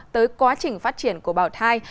tới quá trình phát triển của bào thai